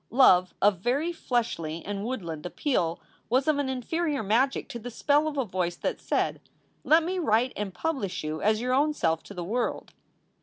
Love of a very fleshly and woodland appeal was of an inferior magic to the spell of a voice that said, "Let me write and publish you as your own self to the world."